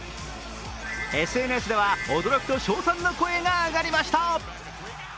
ＳＮＳでは驚きと称賛の声が上がりました。